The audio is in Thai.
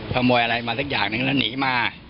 ขโมยอะไรมาสักอย่างหนึ่งแล้วหนีมา